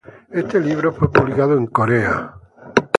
Este libro fue publicado en Corea.